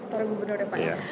para gubernur ya pak